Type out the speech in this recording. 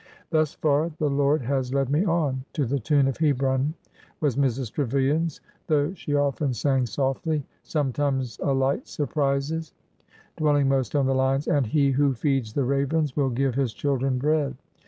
" Thus far the Lord has led me on,'' to the tune of Hebron," was Mrs. Trevilian's, though she often sang softly : Sometimes a light surprises —" dwelling most on the lines : And He who feeds the ravens Will give His children bread.